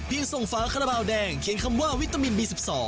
ส่งฝาคาราบาลแดงเขียนคำว่าวิตามินบี๑๒